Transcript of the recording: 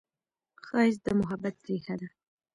ښایست د محبت ریښه ده